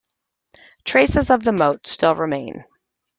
Traces of the motte still remain.